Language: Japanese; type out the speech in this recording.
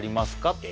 って